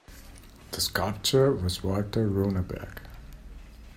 The sculptor was Walter Runeberg.